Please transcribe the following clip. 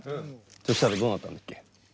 そしたらどうなったんだっけ？